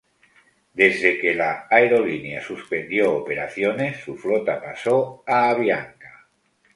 Desde que la aerolínea suspendió operaciones, su flota pasó a Avianca.